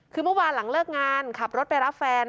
คือเมื่อวานหลังเลิกงานขับรถไปรับแฟน